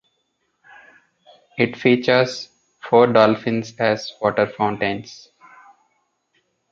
It features four dolphins as water fountains.